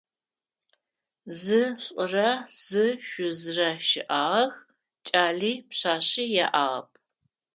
Зы лӏырэ зы шъузырэ щыӏагъэх, кӏали пшъашъи яӏагъэп.